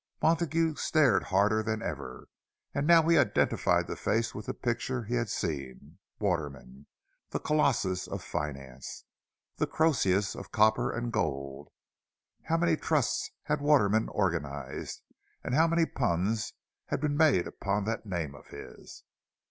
Montague stared harder than ever, and now he identified the face with the pictures he had seen. Waterman, the Colossus of finance, the Croesus of copper and gold! How many trusts had Waterman organized! And how many puns had been made upon that name of his!